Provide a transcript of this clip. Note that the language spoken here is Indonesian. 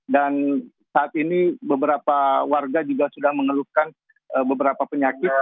dan saat ini beberapa warga juga sudah mengeluhkan beberapa penyakit